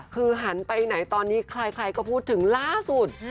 คือหันไปไหนตอนนี้ใครก็พูดถึงล่าสุด